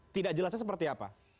tidak jelasnya seperti apa